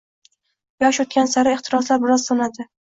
Yosh o‘tgani sari ehtiroslar biroz so‘nadi